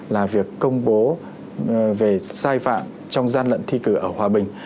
là việc công bố về sai phạm trong gian lận thi cử ở hòa bình